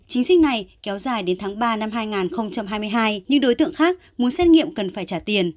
chính sách này kéo dài đến tháng ba năm hai nghìn hai mươi hai những đối tượng khác muốn xét nghiệm cần phải trả tiền